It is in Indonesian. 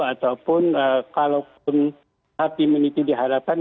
ataupun kalau pun heart immunity dihadapkan